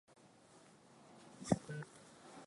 Los Angeles na Chicago Marekani ni nchi iliyoendelea na yenye